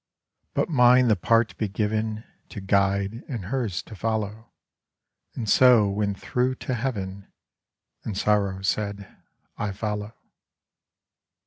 But mine the part be given To guide and hers to follow, And so win thro' to heaven.' And Sorrow said, 'I follow.